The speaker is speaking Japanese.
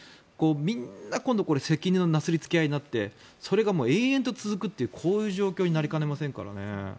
みんな今度これ責任のなすりつけ合いになってそれが延々と続くというこういう状況になりかねませんからね。